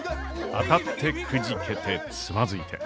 当たってくじけてつまずいて。